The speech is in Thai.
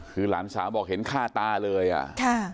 คือหลานสาวบอกเห็นฆ่าตาเลยอ่ะค่ะ